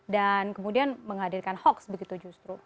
kemudian menghadirkan hoax begitu justru